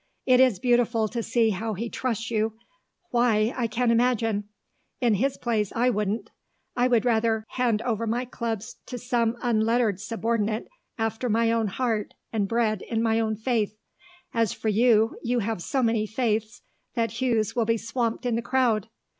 It is beautiful to see how he trusts you why, I can't imagine. In his place I wouldn't; I would rather hand over my clubs to some unlettered subordinate after my own heart and bred in my own faith. As for you, you have so many faiths that Hugh's will be swamped in the crowd.